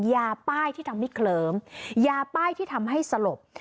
ยาป้ายที่ทำให้เคลิ้มยาป้ายที่ทำให้สลบ